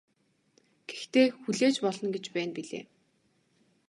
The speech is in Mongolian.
Гэхдээ хүлээж болно гэж байна билээ.